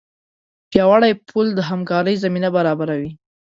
پیاوړی پل د همکارۍ زمینه برابروي.